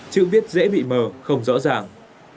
chữ viết dễ bị mờ không rõ ràng